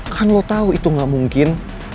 kan lo tahu itu gak mungkin